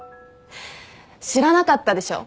知らなかったでしょ。